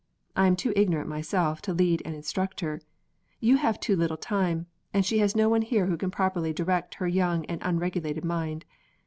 I am too ignorant myself to lead and instruct her, you have too little time, and she has no one here who can properly direct her young and unregulated mind.